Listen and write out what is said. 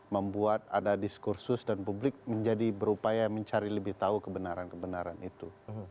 membuat ada diskursus dan publik menjadi berupaya mencari lebih tahu kebenaran kebenaran itu